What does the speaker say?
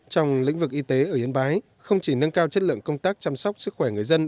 trong lĩnh vực y tế ở yên bái không chỉ nâng cao chất lượng công tác chăm sóc sức khỏe người dân